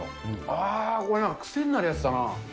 あー、これは癖になるやつだな。